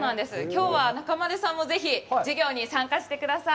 きょうは、中丸さんもぜひ授業に参加してください。